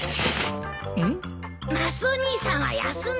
うん？